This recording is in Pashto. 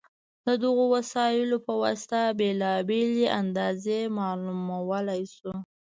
د دغو وسایلو په واسطه بېلابېلې اندازې معلومولی شو.